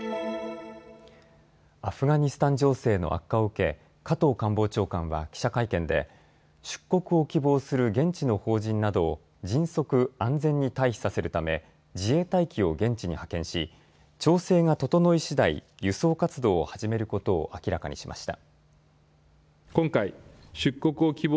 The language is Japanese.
アフガニスタン情勢の悪化を受け、加藤官房長官は記者会見で出国を希望する現地の邦人などを迅速、安全に退避させるため自衛隊機を現地に派遣し調整が整いしだい、輸送活動を始めることを明らかにしました。